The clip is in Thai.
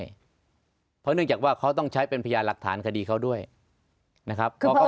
เพราะเนื่องจากว่าเขาต้องใช้เป็นพยานหลักฐานคดีเขาด้วยนะครับ